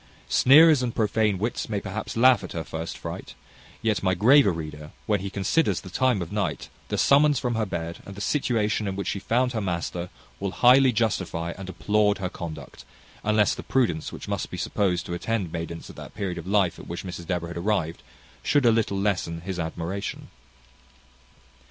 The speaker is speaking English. Sneerers and prophane wits may perhaps laugh at her first fright; yet my graver reader, when he considers the time of night, the summons from her bed, and the situation in which she found her master, will highly justify and applaud her conduct, unless the prudence which must be supposed to attend maidens at that period of life at which Mrs Deborah had arrived, should a little lessen his admiration.